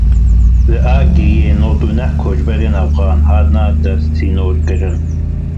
Li Agiriyê nod û neh koçberên Efxan hatin dersînorkirin.